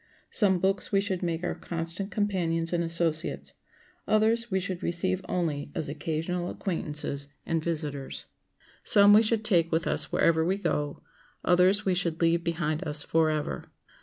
Some books we should make our constant companions and associates; others we should receive only as occasional acquaintances and visitors. Some we should take with us wherever we go; others we should leave behind us forever.